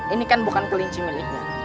ini kan bukan kelinci miliknya